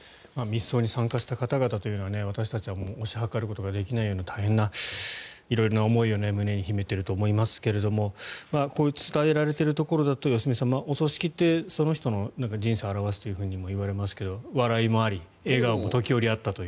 密葬に参加した方々というのは私たちは推し量ることができないような大変な色々な思いを胸に秘めていると思いますけど伝えられているところだと良純さんお葬式ってその人の人生を表すともいわれますが笑いもあり笑顔も時折あったと。